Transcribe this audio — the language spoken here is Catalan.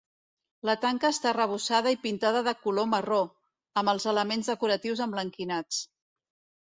La tanca està arrebossada i pintada de color marró, amb els elements decoratius emblanquinats.